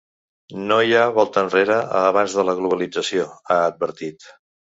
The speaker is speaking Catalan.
No hi ha volta enrere a abans de la globalització, ha advertit.